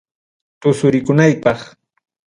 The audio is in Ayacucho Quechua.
Tusurikunaypaq.